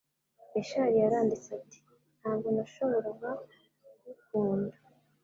Richard yaranditse ati: "Ntabwo nashoboraga kugukunda